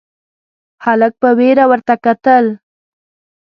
هلک په وېره ورته کتل: